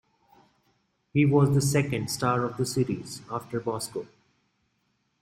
He was the second star of the series, after Bosko.